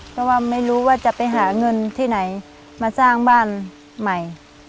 เพราะว่าไม่รู้ว่าจะไปหาเงินที่ไหนมาสร้างบ้านใหม่